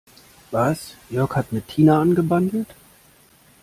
Was, Jörg hat mit Tina angebandelt?